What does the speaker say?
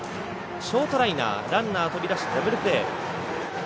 ショートライナーランナー飛び出しダブルプレー。